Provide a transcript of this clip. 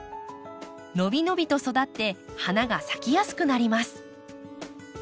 伸び伸びと育って花が咲きやすくなります。